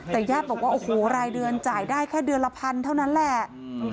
แต่ญาติบอกว่ารายเดือนจ่ายได้แค่เดือนละ๑๐๐๐บาทเท่านั้นแหละ